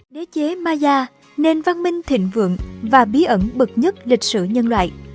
đế chế maya nền văn minh thịnh vượng và bí ẩn bậc nhất lịch sử nhân loại